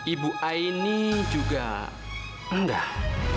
ibu aini juga enggak